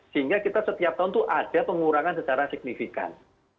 sehingga kita setiap tahun itu ada pengurangan secara signifikan